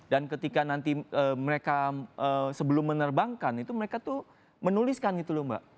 dan ketika nanti mereka sebelum menerbangkan itu mereka tuh menuliskan gitu loh mbak